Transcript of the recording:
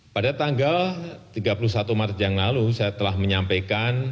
pada tanggal tiga puluh satu maret yang lalu saya telah menyampaikan